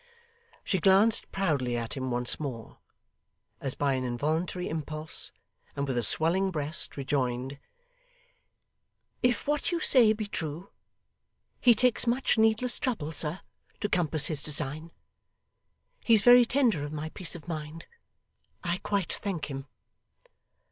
She glanced proudly at him once more, as by an involuntary impulse, and with a swelling breast rejoined, 'If what you say be true, he takes much needless trouble, sir, to compass his design. He's very tender of my peace of mind. I quite thank him.